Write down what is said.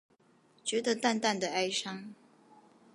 覺得淡淡的哀傷